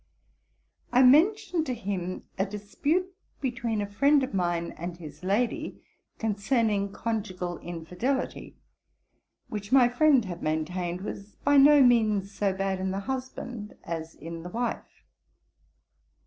I mentioned to him a dispute between a friend of mine and his lady, concerning conjugal infidelity, which my friend had maintained was by no means so bad in the husband, as in the wife.